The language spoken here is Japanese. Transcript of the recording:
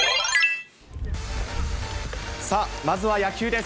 さあ、まずは野球です。